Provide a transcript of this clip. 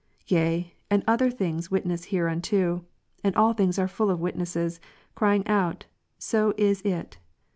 yea, and other things witness here unto ; and all things are full of witnesses, crying out, " so is it."